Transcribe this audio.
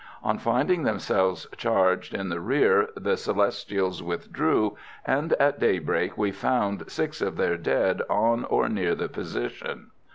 On finding themselves charged in the rear the Celestials withdrew, and at daybreak we found six of their dead on or near the position.